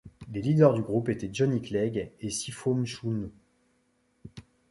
Les leaders du groupe étaient Johnny Clegg et Sipho Mchunu.